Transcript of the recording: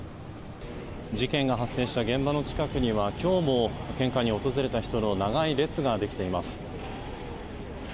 事件が発生した現場の近くには今日も献花に訪れた人の長い列ができています。